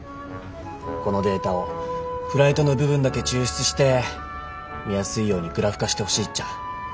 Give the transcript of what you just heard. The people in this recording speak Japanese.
このデータをフライトの部分だけ抽出して見やすいようにグラフ化してほしいっちゃ。